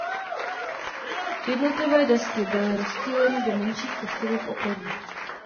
Jednotlivé desky byly rozptýleny do menších kostelů v okolí.